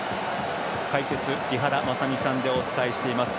解説、井原正巳さんでお伝えしています。